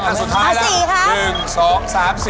เอา๔ครับ